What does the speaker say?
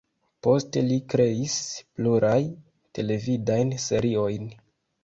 Poste li kreis pluraj televidajn seriojn.